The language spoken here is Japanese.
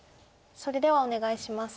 それではお願いします。